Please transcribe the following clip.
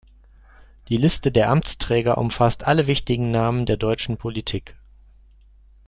Die Liste der Amtsträger umfasst alle wichtigen Namen der deutschen Politik.